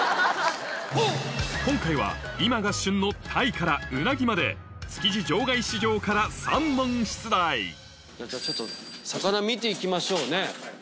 今回は今が旬のタイからうなぎまで築地場外市場から３本出題じゃあちょっと魚見て行きましょうね。